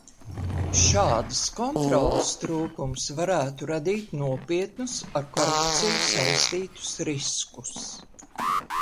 Šādas kontroles trūkums varētu radīt nopietnus, ar korupciju saistītus riskus.